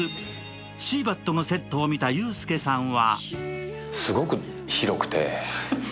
「シーバット」のセットを見たユースケさんは？